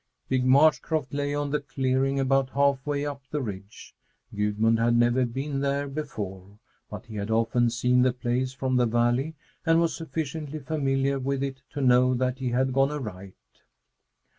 Big Marsh croft lay on the clearing about half way up the ridge. Gudmund had never been there before, but he had often seen the place from the valley and was sufficiently familiar with it to know that he had gone aright.